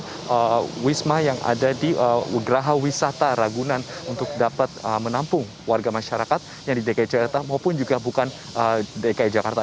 ada wisma yang ada di geraha wisata ragunan untuk dapat menampung warga masyarakat yang di dki jakarta maupun juga bukan dki jakarta